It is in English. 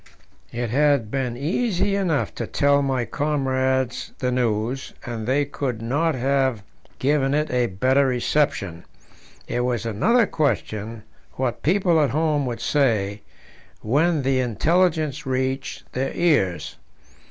It had been easy enough to tell my comrades the news, and they could not have given it a better reception; it was another question what people at home would say when the intelligence reached their ears.